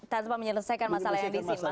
tanpa menyelesaikan masalah yang di sini